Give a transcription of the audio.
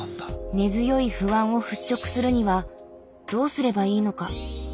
根強い不安を払しょくするにはどうすればいいのか？